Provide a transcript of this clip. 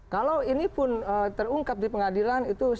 kalau ini pun terungkap di pengadilan itu